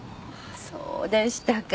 そうでしたか。